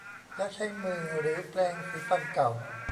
แล้วใช้มือหรือแปรงสีฟันเก่า